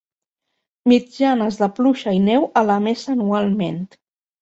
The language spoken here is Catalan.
Mitjanes de pluja i neu a Lamesa anualment.